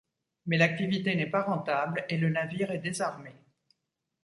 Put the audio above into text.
Mais l'activité n'est pas rentable et le navire est désarmé.